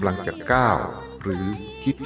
นิด